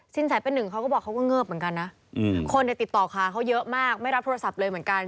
แสเป็นหนึ่งเขาก็บอกเขาก็เงิบเหมือนกันนะคนติดต่อขาเขาเยอะมากไม่รับโทรศัพท์เลยเหมือนกัน